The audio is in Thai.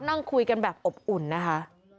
นั่งคุยแบบอบอุ่นแน่ฮะ